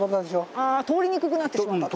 あ通りにくくなってしまったと。